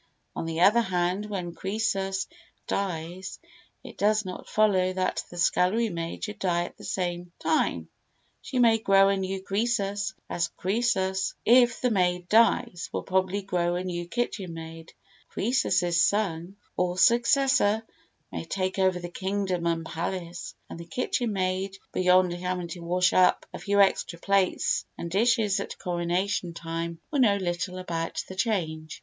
On the other hand, when Croesus dies it does not follow that the scullery maid should die at the same time. She may grow a new Croesus, as Croesus, if the maid dies, will probably grow a new kitchen maid, Croesus's son or successor may take over the kingdom and palace, and the kitchen maid, beyond having to wash up a few extra plates and dishes at Coronation time, will know little about the change.